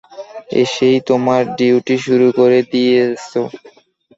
এসেই তোমার ডিউটি শুরু করে দিয়েছো!